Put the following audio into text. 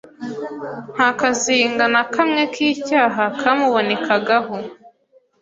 nta kazinga na kamwe k’icyaha kamubonekagaho.